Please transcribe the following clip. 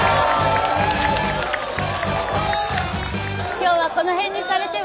今日はこの辺にされては？